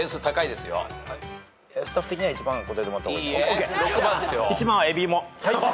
スタッフ的には１番答えてもらった方がＯＫ。